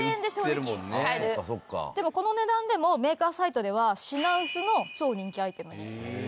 でもこの値段でもメーカーサイトでは品薄の超人気アイテム。